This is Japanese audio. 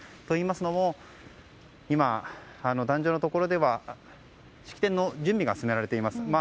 といいますのも今壇上のところでは式典の準備が進められています。